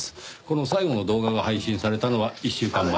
この最後の動画が配信されたのは１週間前。